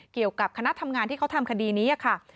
เกี่ยวกับคณะทำงานที่เขาทำคดีนี้ค่ะ